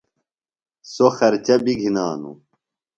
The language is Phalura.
سوۡ خرچہ بیۡ گِھنانوۡ۔